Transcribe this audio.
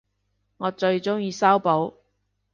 我最鍾意修補